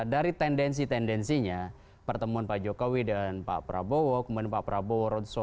dari tendensi tendensinya pertemuan pak jokowi dan pak prabowo kemudian pak prabowo road solo